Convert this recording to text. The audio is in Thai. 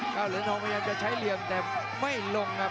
เหรียญทองพยายามจะใช้เหลี่ยมแต่ไม่ลงครับ